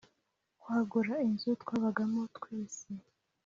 kwagura inzu twabagamo twse